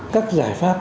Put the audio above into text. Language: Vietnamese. các giải pháp